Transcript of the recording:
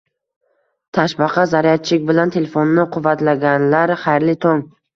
Toshbaqa zaryadchik bilan telefonini quvvatlaganlar, xayrli tong!